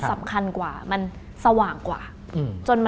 ฝ่าไปอยากจะ